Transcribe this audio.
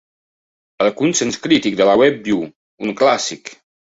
El consens crític de la web diu: "un clàssic".